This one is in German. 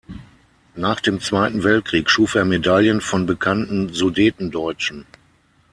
Nach dem Zweiten Weltkrieg schuf er Medaillen von bekannten Sudetendeutschen.